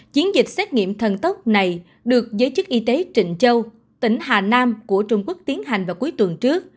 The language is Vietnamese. chiến dịch xét nghiệm thần tốc này được giới chức y tế trịnh châu tỉnh hà nam của trung quốc tiến hành vào cuối tuần trước